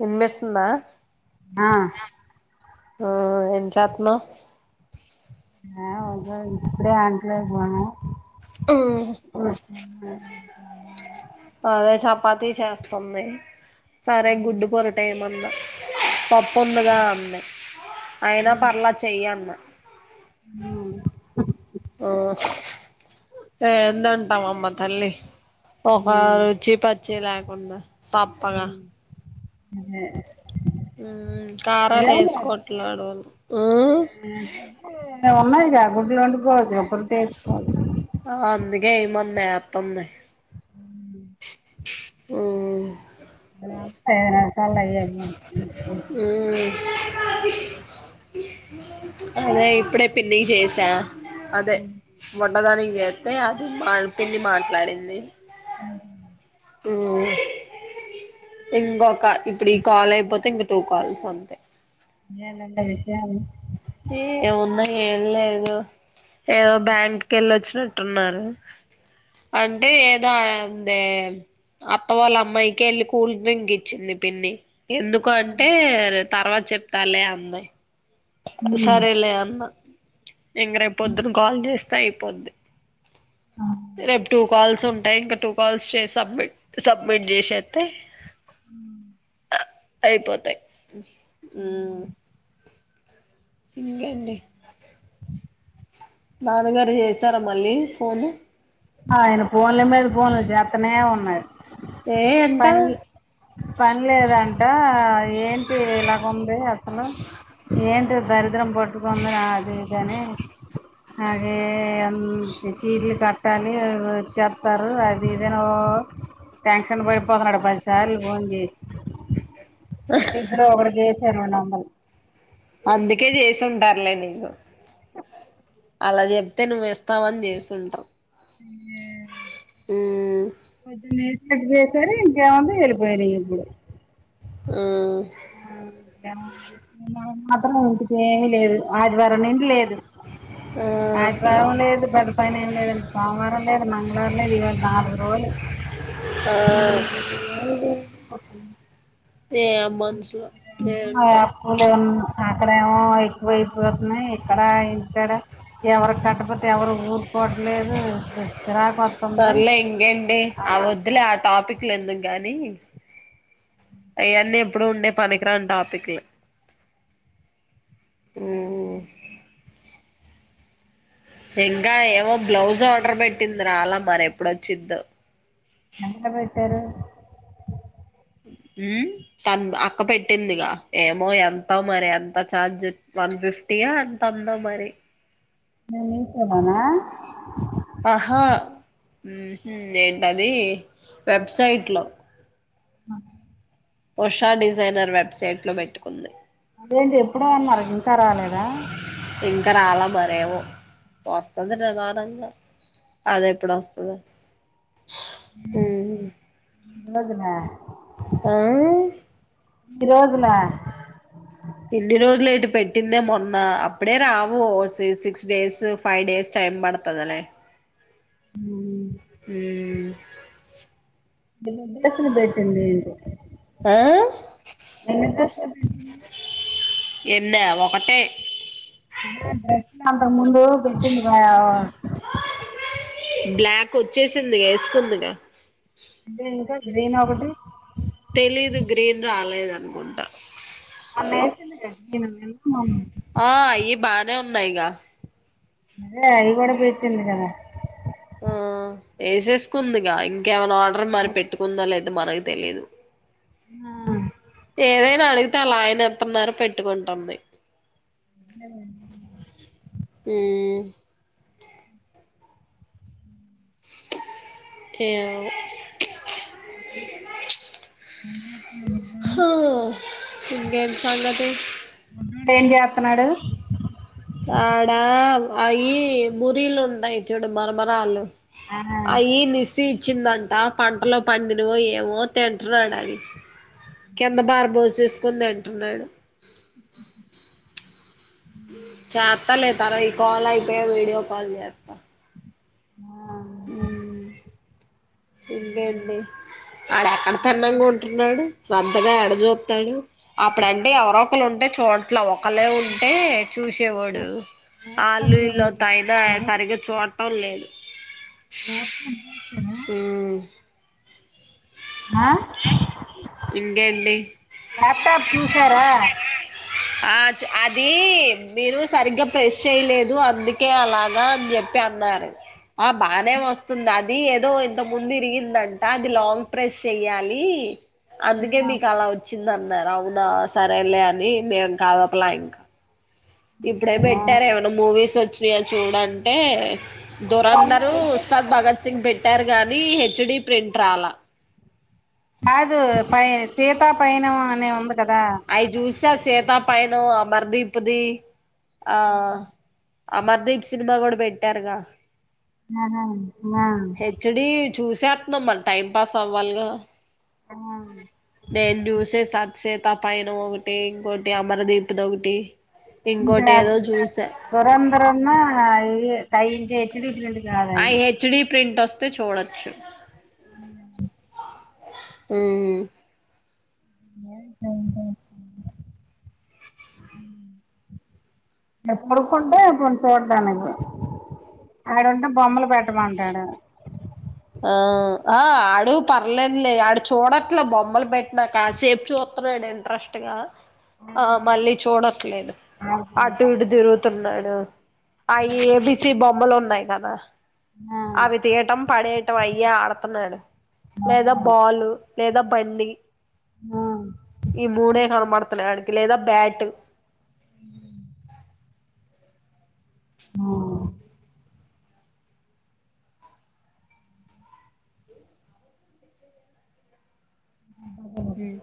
వినిపిస్తుందా ఆ ఆ ఏం చత్నవ్ ఆ [unintelligible] ఇప్పుడే అంట్లు అయిపోయినాయి ఉహు అదే చపాతి చేస్తుంది సరే గుడ్డు పరోటా ఏమన్నా పప్ పొందుగా ఉన్నాయి అయినా పర్లే చెయ్యి అన్న ఆ ఓ ఎందంట మమ్మ తల్లీ ఒక రుచి పచ్ చి లేకుండా సప్పగా అదే ఉమ్ కారాలు వేసుకోవట్లే రోల్ నాయనా గుడ్లు ఉన్నాయి గా గుడ్లు వండుకోవచ్చు పొరటు [unintelligible] ఆ అందుకే ఏయమన్నా ఏత్తంది హ్మ్ ఏత్తె నిమిషాల్లో అయ్యేనా హ్మ్ [unintelligible] అదే ఇప్పుడే పిన్ని గి చేసా అదే బుడ్డ దాని ఏత్తె అది మాల్ పిన్ని మాట్లాడింది హ్మ్ హు హ్మ్ ఇంగొక ఇప్పుడు ఈ కాల్ అయిపోతే ఇంకా టూ కాల్స్ అంతే ఇంగేందంట విషయాలు ఏ ఏమున్నా ఏం లేదు ఏదో బ్యాంక్ కెల్లోచ్చు వచ్చినట్టున్నారు అంటే ఏదో అదే అత్త వాళ్ళ అమ్మాయికి వెళ్ళి కూల్ డ్రింక్ ఇచ్చింది పిన్ని ఎందుకు అంటే అర్ తర్వాత చెప్తాలే అంది. సరేలే అన్నా ఇంగ రేప్పొద్దున కాల్ జేస్ తయ్ పోద్ది రేపు టూ కాల్స్ ఉంటాయి ఇంకా టూ కాల్స్ చే సబ్మిట్ సబ్మిట్ జేసేత్తె అయిపోతాయ్ హ్మ్ ఇంగేంది నాన్నగారు చేసారా మళ్ళీ ఫోన్ ఆయన పోన్ల మీద పోన్లు చేత్తనే ఉన్నాడు. ఏ ఎంతా పన్లేదం అంటా ఏంటి ఇలాగ ఉంది అసలు ఏంటి దరిద్రం పట్టుకుందని అది ఇది అని అగే అం ఛీర్ల ట్టాలి అ వొచ్చేత్తారు అది ఇదని ఓ టెన్షన్ పడిపోతున్నాడు పదిసార్లు ఫోన్ చేసి ఇప్పుడు ఒకడ చెసాడు ఉండాలి అందుకే చేసుంటార్లే నీకు అలా చెప్తే నువ్ ఇస్తావ అని చేసుంటర్ హ్మ్ పొద్దున్నే నీకి జేసారు ఇంకేముంది ఎల్లిపోయినయ్ ఇప్పుడు ఆహ్ [unintelligible] మాత్రం ఇంటికి ఏమి లేదు ఆదివారం నుండి లేదు ఆదివారం లేదు పెద్ద పైన ఏం లేదండి సోమవారం లేదు మంగళవారం లేదు ఇవాళ నాలుగు రోలు ఏంది ఏం మనుషులో ఏంటో అప్పులు అక్కడేమో ఎక్కువైపోతున్నయి ఇక్కడ ఇక్కడ ఎవరు కట్టపోతే ఎవరు ఊరుకోట్లేదు చిరాకొతుంది సర్లే ఇంకేంటి ఆ అని వద్దులే అంటాడా ఆ టాపిక్లు ఎందుకు కానీ అయన్ని ఎప్పుడు ఉండే పనికిరాని టాపిక్లే ఇంకా ఏమో బ్లౌజ్ ఆర్డర్ పెట్టింద్ రాలా మరి ఎప్పుడొచ్చిదో ఎంత పెట్టారు ఉహ్ తన్ అక్క పెట్టిందిగా ఏమో ఎంత మరి ఎంత ఛార్జ్ వన్ ఫిఫ్టీయా ఎంతందో మరి నేనే ఇసబనా ఆహా ఉహు ఏంటది వెబ్సైట్లో అ ఉషా డిజైనర్ వెబ్సైట్ లొ పెట్టుకుంది అదేంటి ఎప్పుడో అన్నారు ఇంకా రాలేదా ఇంక రాలా మరేమో వస్తుంది నిధానంగా అది ఎప్పుడు వస్తదో మ్ ఉన్నదునా ఉమ్ రోజుల ఎన్ని రోజులేంటి పెట్టిందే మొన్న అప్పుడే రావు ఓ six days five days time పడతదిలే ఉమ్ ఇంటి దగ్గర పెట్టిందెంటో ఆ డ్రెస్సులు ఎన్న ఒకటే డ్రెస్ కంటే ముందు పెట్టింది రా బ్లాక్ వచ్చేసిందిగా వేసుకుందిగా అంటే ఇంకా గ్రీన్ ఒకటి తెలీదు గ్రీన్ రాలేదు అనుకుంటా మొన్న [unintelligible] ఆ అయి బానే ఉన్నాయిగా అదే అయిగూడ పెట్టిందిగా ఆ వేసేసుకుందిగా ఇంకేమైనా మరి పెట్టుకుందో లేదో మనకి తెలిదు ఆ, ఏదైనా అడిగి తే అలా ఆయన ఎత్తున్నారు పెట్టుకుంటుంది ఉమ్ ఏమో ఏం చేస్తున్నాడు బుడ్డోడు హ ఇంకేంటి సంగతి ఏం చేతున్నాడు. ఆడా అవి పూరీలు ఉంటాయి. చూడు మరమరాలు ఆ అయి నిసి చ్చిందంట పంటలో పండినవో ఏమో తింటున్నాడు. అవి కింద పార బోసేసుకొని తింటున్నాడు చేస్తా లే తార ఈ కాల్ అయి పోయాక వీడియో కాల్ చేస్తా ఆ ఉమ్ ఇంకేంటి వాడేక్కడ తిన్నంగా ఉంటున్నాడు. శ్రద్ధగా ఎడ చూతాడు. అప్పుడంటే ఎవరో ఒకరు ఉంటే చూడ్ ట్లావు ఒక్కలే ఉంటే చూసేవాడు ల్యాప్టాప్ ఆల్లు ఈల్లు [unintelligible] చూసారా సరిగా చూ పర్లేదు. లాప్టాప్ చూశారా ఆ ఇంకేంటి ల్యాప్ టాప్ చూసారా. ఆ చ్ అది మీరు సరిగ్గా ప్రెస్ చెయ్యలేదు. అందుకే అలాగా అని చెప్పి అన్నారు ఆ బానే వస్తుంది అది ఏదో ఇంత ముందు ఇరిగిందంట అది లాంగ్ ప్రెస్ చెయ్యాలి. అందుకే ఆహా. మీకు అలా వచ్చింది. నన్నారు అవునా సరేలే అని మేం కాద్ ఒక ల ఇప్పుడే ఆ పెట్టారు. ఏమన్నా మూవీస్ వచ్చినాయా చూడంటే దురంధరూ ఉస్తాద్ భగత్ సింగ్ పెట్టారు కానీ హెచ్ డి ప్రింట్ రాలా కాదు పై సీతా పయనం అనీ ఒకటి అయి జూసా సీతా పయనం ఆ మర్ది ఇప్పుది. ఆ అమర్దీప్ సినిమా కూడా పెట్టారుగా. ఆహా హెచ్ డి చూసేత్నాం మల్ టైం పాస్ అవ్వాలిగా. ఆ ఆ నేన్ జూసేసా. తపయనం ఒకటి ఇంకోటి అమర దీప్ ది ఒకటి. ఇంకోటి ఇంకా ఏదో చూసా దురంద్రన్నూ అయ్. అయి ఇంకా హెచ్డి ఆ కాదయి హెచ్ డి ప్రింట్ ఒస్త్ తే చూడొచ్చు ఉ ఊమ్ ఊమ్ ఊమ్ ఆడ్పడుకుంటే పోని చూడ్డానికి కూడా ఆడుంటే బొమ్మలు పెట్టమంటాడు ఆ ఆ ఆడు పర్లేదులే ఆడు చూడట్లే బొమ్మలు పెట్ట్నా కాసేప్ చూస్తన్నాడు ఇంట్రెస్ట్గా ఆ మళ్ళీ చూడట్లేదు ఆ అటు ఇటు తిరుగుతు త్తున్నాడు అ ఏబిసి బొమ్మలు ఉన్ తాయి గదా ఆ అవి తీయటం పడేయటం అయ్యే ఆడతున్నాడు లేదా బాలు లేదా బండి ఈ మూడే కనబడ్త్ తున్నాయి ఆడికి లేదా బ్యాట్ ఆ ఆ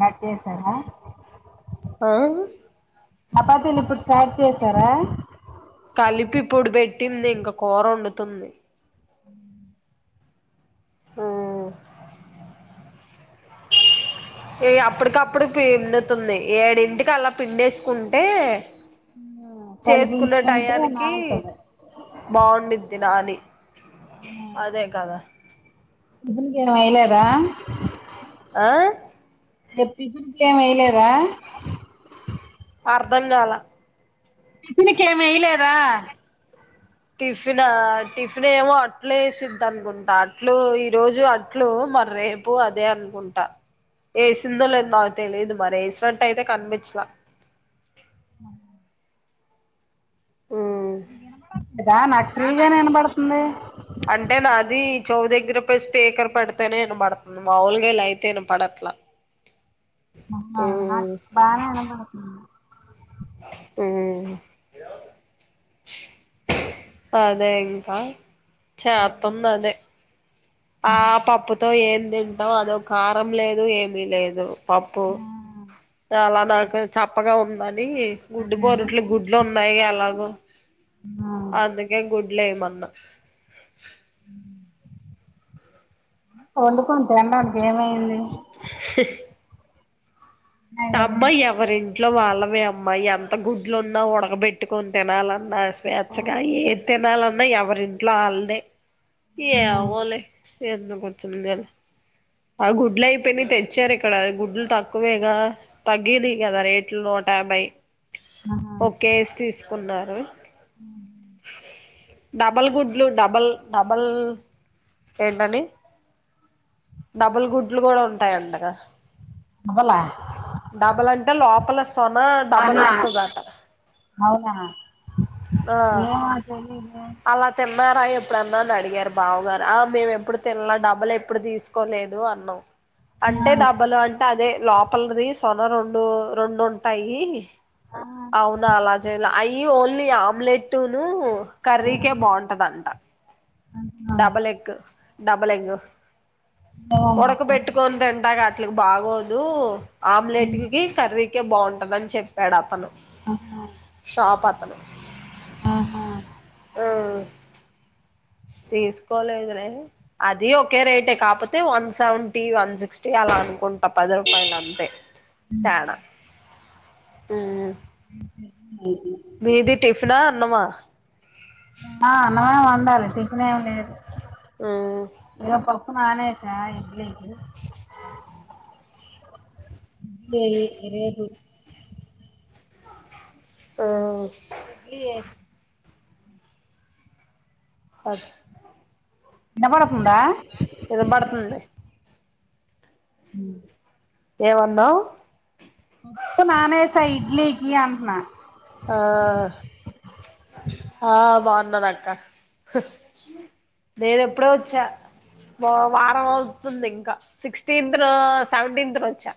రాట్తారా [inaudible] ఆ ఆపాతను ఇప్పుడు స్టార్ట్ చేస్త సరే కలిపి ఇప్పుడు పెట్టింది ఇంకా కూర వండుతుంది ఆహ ఏ అప్పటికప్పుడు పిండుతుంది ఏడింటికి అలా పిండేసుకుంటే కలుపు చేసుకునే ఉంచుకుంటే టయానికి నానుతది బాగుంద్ది నాని అదే కదా ఇప్పుక ఏ వయలేదా ఆ పిజంట్లు ఏమియలేదా అర్ధం కల ఇతనికి ఏమి వయలేదా టిఫిన్ టిఫిన్ ఏమో అట్లు వేసిది అనుకుంటా అట్లు ఈ రోజు అట్లు మరి రేపు అదే అనుకుంటా వేసిందో లేదో నాకు తెలిదు మరి వేసినట్టు అయితే కనిపించలా బ ననబడ కదా నాకు ఫ్రీగానే వినబడుతుంది దగ్గరయి స్పీకర్ పెడితేనే నన పడుతును మాములుగాలా అయితేన పడట్లా అ నా బానే వినపడుతుంది ఆ అదే ఇంకా చాత్తంది అదే ఆ పాప్పుతో ఏ తింటావు అదో కారం లేదు ఏమిీ లేదు పప్పు ఆ చాలా నాకు చప్పగా ఉంది గుడ్డు పోరుట్లు గుడ్లు ఉన్నాయి ఎలాగో ఆ! అందుకే గుడ్ ఏమన్నా వండుకుని తడానికి ఏమైంది ఉన్నాయి కదా అబ్బాయి ఎవరీ ఇంట్లో వాళ్ళవే అమ్మాయి ఎంత గుడ్లు ఉన్నా ఉడగబెట్టుకొని తినాలన్నా స్వేచ్ఛగా ఏ తినాలన్నా ఎవరింట్లో వాళ్లే ఆ ఏమో లే ఎందుకు ఒచ్చింది లే ఆ గుడ్లు అయిపోయినా తెచ్చారు ఇక్కడ గుడ్లు తక్కువేగా తగ్గింది కదా రేట్లు యాభై ఓకే కున్నారు హమ్ డబల్ గుడ్లు డబల్ డబల్ ఏంటని డబుల్ గుడ్లు కూడా ఉంటాయి అంటగా అవ్వలా డబుల్ అంటే లోపల సొన డబుల్ ఆహా వస్తాది ఆట అవునా ఆ ఏమో తెలీదే అలా తీ థీన్నారా ఎప్పుడన్నా అని అడిగారు బావుగారు ఆ మేము ఎప్పుడు తినలే డబుల్ ఎప్పుడు తీసుకు కోలేదు అన్నావ్ ఆ అంటే డబ్బలు అంటే అదే లోప సొన రెండు రెండు ఉంటాయి ఆ అవునా అలజెల అయి ఓన్లీ ఆమ్లెట్నును కర్రీకే బాగుంటదంట ఆహా డబల్ ఎగ్ డబల్ ఎగ్ ఏమో మరి ఉడక తెలీదు పెట్టుకని తినడానికి ఉట్లు బాగోదు ఆమ్లేెట్కి కర్రీ కీ కే బాగుంటందని చెప్పాడు అతను ఆ [unintelligible] ఆహా ఆ తీసుకోలేదు లే అది ఒకే రేటే కాకపోతే వన్ సెవెంటీ వన్ సిక్స్టీ అలా అనుకుంటా పది రూపాయలు అంతే తేడ ఉ ఇది. మీది టిఫనా అన్నమా ఆ అన్నమే వండాలి లే అ లే అద మ్మ్ ఏ ప [unintelligible] రేపు ఆ ఇడ్లీ ఎ అ వినపడుతుందా వినబడుతుంది ఉ ఏమనావ్ [unintelligible] నానేసా ఇడ్లీకి [unintelligible] ఆ ఆ బ నేను ఎప్పుడో వచ్చా వారం అవుతుంది ఇంకా సిక్స్టీన్త్ ను సెవెన్త్ ను వచ్చా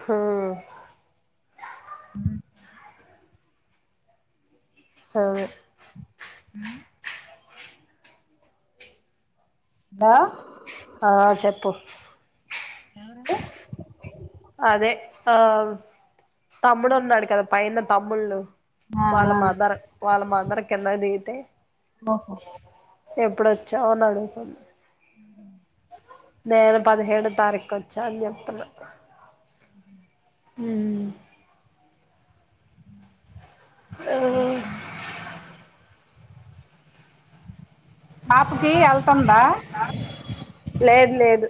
హ ఆ సరే ఉ దా ఆ చెప్పు ఎవరోళ్ళు అదే ఆ తమ్ముడునాడు కదా పైన తమ్ముళ్ళు ఆ వాళ్ళ ఆ మదర్ వాళ్ళ మదర్ కిందికి దిగ్ ఓహో ఎప్పుడొచ్చావ్ అని అడుగుతుంది నేను పదిహేడు తారీకు వచ్చా అని చెప్తున్న అవు పాపుకి వెళ్తుందా లేదు లేదు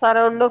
సరే ఉండు